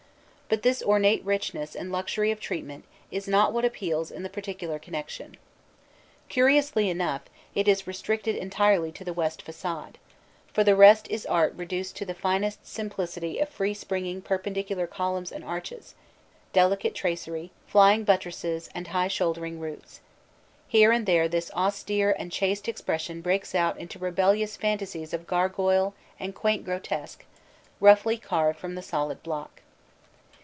But this ornate richness and luxury of treat ment is not what appeals in the particular connection. Cur iously enough it is restricted entirely to the west facade, for the rest is art reduced to the finest simplicity of free springing perpendicular columns and arches, delicate tracery, flying buttresses and high shouldering roofs. Here and there this austere and chaste expression breaks out into rebellious phan tasies of gargoyle and quaint grotesque, roughly carved from the solid block.